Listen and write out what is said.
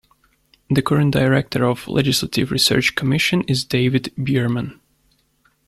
The current Director of the Legislative Research Commission is David Byerman.